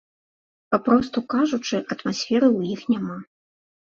Папросту кажучы, атмасферы ў іх няма.